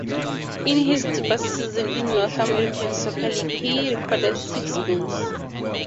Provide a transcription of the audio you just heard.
In his debut season in the North American Soccer League he recorded six goals.